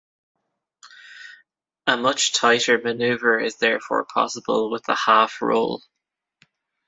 A much tighter manoeuvre is therefore possible with the half roll.